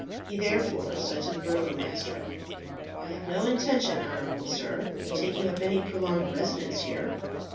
He therefore said to the Burgomaster, "I have no intention, honourable sir, of taking up any prolonged residence here.